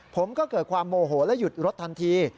ผมก็เกิดความโมโหและหยุดรถทันที